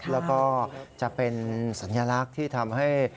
แล้วก็จะเป็นสัญลักษณ์ที่ทำให้